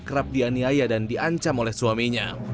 kerap dianiaya dan diancam oleh suaminya